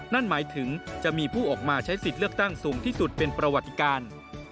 นั่นหมายถึงจะมีผู้ออกมาใช้สิทธิ์เลือกตั้งสูงที่สุดเป็นประวัติการ